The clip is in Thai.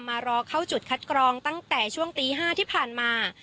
มารอเข้าจุดคัดกรองตั้งแต่ช่วงตี๕ที่ผ่านมา